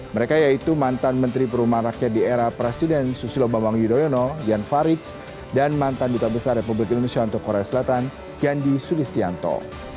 mereka yaitu mantan menteri perumahan rakyat di era presiden susilo bambang yudhoyono jan faridz dan mantan duta besar republik indonesia untuk korea selatan gandhi sulistianto